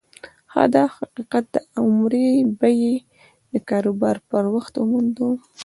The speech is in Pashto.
هغه دا حقيقت د عمري بيمې د کاروبار پر وخت وموند.